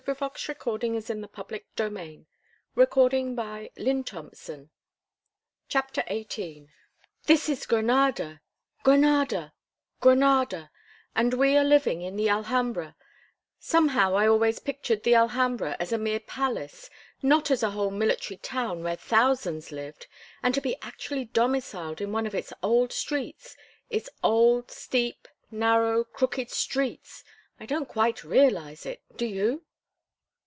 For my part, I like friendship, and we have become quite adept at that." XVIII "This is Granada—Granada—Granada—and we are living in the Alhambra—somehow I always pictured the Alhambra as a mere palace, not as a whole military town where thousands lived; and to be actually domiciled in one of its old streets—its old, steep, narrow, crooked streets—I don't quite realize it, do you?"